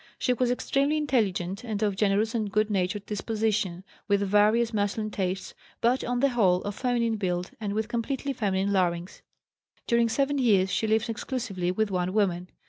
She was extremely intelligent, and of generous and good natured disposition, with various masculine tastes, but, on the whole, of feminine build and with completely feminine larynx. During seven years she lived exclusively with one woman.